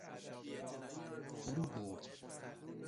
فرو برد